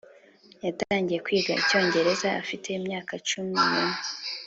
yatangiye kwiga icyongereza afite imyaka cumi n'umwe.